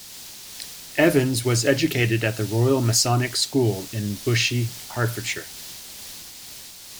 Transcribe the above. Evans was educated at the Royal Masonic School in Bushey, Hertfordshire.